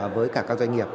với cả các doanh nghiệp